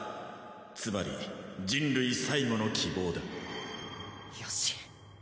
つまり人類最後の希望だよし。